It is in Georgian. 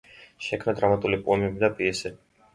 შექმნა დრამატული პოემები და პიესები.